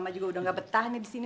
mama juga udah gak betah nih disini